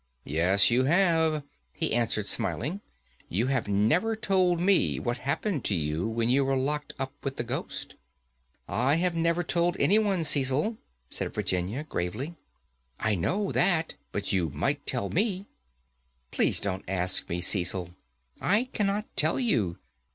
"Yes, you have," he answered, smiling, "you have never told me what happened to you when you were locked up with the ghost." "I have never told any one, Cecil," said Virginia, gravely. "I know that, but you might tell me." "Please don't ask me, Cecil, I cannot tell you.